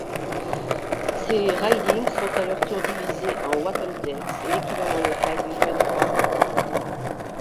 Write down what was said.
Ces ridings sont à leur tour divisés en wapentakes, l'équivalent local du hundred.